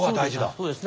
そうですね